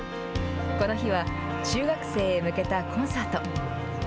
この日は中学生へ向けたコンサート。